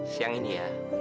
siang ini ya